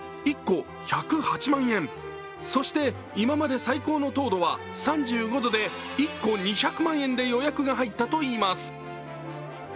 そして、今まで最高の糖度は３５度で１個２００万円で予約が入ったといいます。